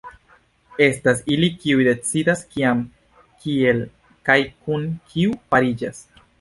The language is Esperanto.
Estas ili kiuj decidas kiam, kiel kaj kun kiu pariĝas.